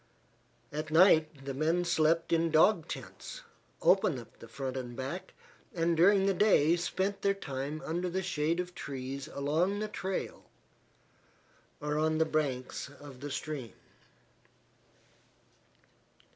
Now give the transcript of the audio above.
At night the men slept in dog tents, open at the front and back, and during the day spent their time under the shade of trees along the trail, or on the banks of the stream.